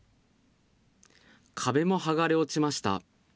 壁も剥がれ落ちました。